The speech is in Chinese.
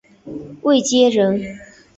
卫玠人。